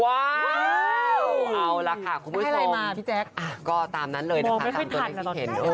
ว้าวเอาล่ะค่ะคุณผู้ชมพี่แจ๊คก็ตามนั้นเลยนะคะไม่ค่อยทัน